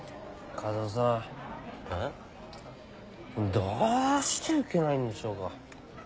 どうしてウケないんでしょうか。